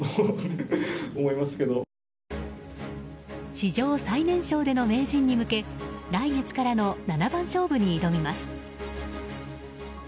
史上最年少での名人に向け来月からの七番勝負に挑みます。